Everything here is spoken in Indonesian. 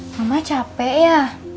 mama capek ya